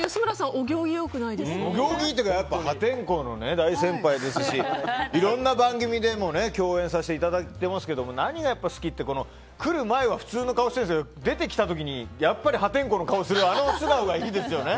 お行儀いいというか破天荒の大先輩ですしいろんな番組でも共演させていただいてますが何が好きって来る前は普通の顔してるんですけど出てきた時にやっぱり破天荒の顔をするあの素顔がいいですよね。